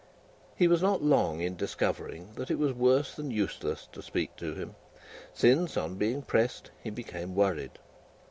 He was not long in discovering that it was worse than useless to speak to him, since, on being pressed, he became worried.